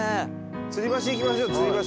吊り橋行きましょう吊り橋。